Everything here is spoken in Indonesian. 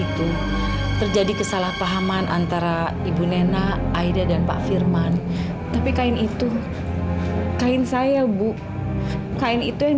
terima kasih antara ibu nena aida dan pak firman tapi kain itu kain saya bu kain itu yang